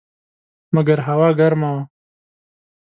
مګر هوا ګرمه وه.